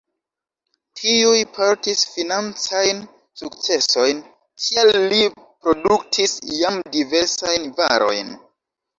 Tiuj portis financajn sukcesojn, tial li produktis jam diversajn varojn.